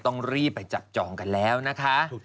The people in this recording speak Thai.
ต้องรีบไปจับจองกันแล้วนะคะ